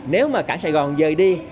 nếu mà cảng sài gòn rời đi